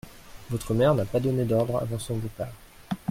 Votre mère n'a pas donné d'ordres avant son départ.